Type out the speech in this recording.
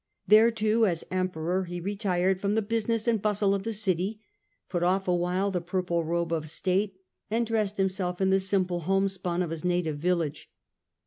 There, too, as Emperor, he retired from the business and bustle of the city, put off awhile the purple robe of state, and dressed himself in the simple homespun of his native village.